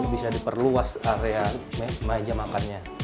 bisa diperluas area meja makannya